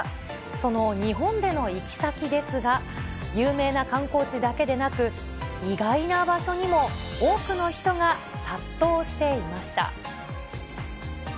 その日本での行き先ですが、有名な観光地だけでなく、意外な場所にも多くの人が殺到していました。